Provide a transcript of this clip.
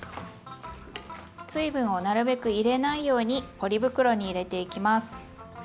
水分をなるべく入れないようにポリ袋に入れていきます。